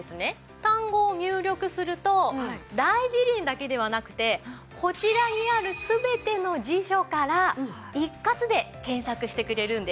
単語を入力すると『大辞林』だけではなくてこちらにある全ての辞書から一括で検索してくれるんです。